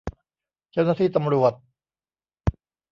เจ้าหน้าที่ตำรวจ